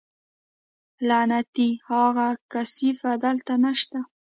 لعنتي اغه کثيف دلته نشته.